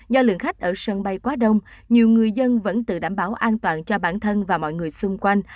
do lượng khách ở sân bay quá đông nhiều người dân vẫn tự đảm bảo an toàn cho bản thân và mọi người xung quanh